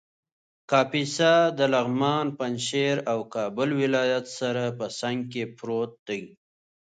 کاپیسا د لغمان ، پنجشېر او کابل ولایت سره په څنګ کې پروت دی